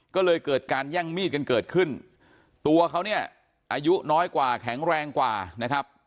ก็เลยเกิดการแย่งมีดกันเกิดขึ้นตัวเขาเนี่ยอายุน้อยกว่าแข็งแรงกว่านะครับ